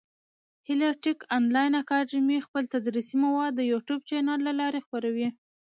هیله ټېک انلاین اکاډمي خپل تدریسي مواد د يوټیوب چېنل له لاري خپره وي.